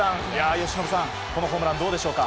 由伸さん、このホームランどうでしょうか？